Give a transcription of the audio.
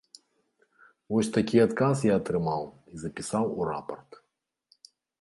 Вось такі адказ я атрымаў і запісаў у рапарт.